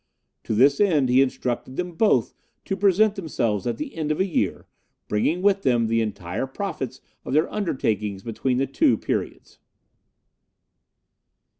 To this end he instructed them both to present themselves at the end of a year, bringing with them the entire profits of their undertakings between the two periods.